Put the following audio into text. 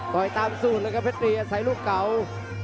ต่อยตามสูตรแล้วกับตีด้วยเข้าซ้าย